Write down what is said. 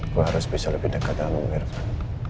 gua harus bisa lebih deketan sama mirvan